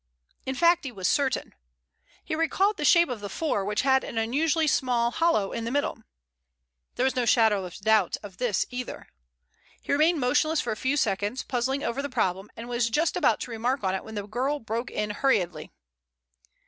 In fact, he was certain. He recalled the shape of the 4, which had an unusually small hollow in the middle. There was no shadow of doubt of this either. He remained motionless for a few seconds, puzzling over the problem, and was just about to remark on it when the girl broke in hurriedly.